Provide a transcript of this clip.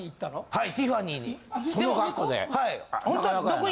はい。